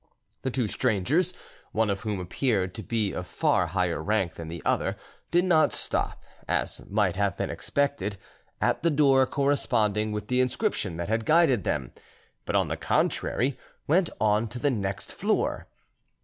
The two strangers, one of whom appeared to be of far higher rank than the other, did not stop, as might have been expected, at the door corresponding with the inscription that had guided them, but, on the contrary, went on to the next floor.